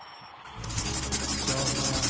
幸せだなあ。